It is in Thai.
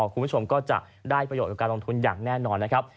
คุณผู้ชมก็จะได้ประโยชน์กับการลงทุนอย่างแน่นอนนะครับ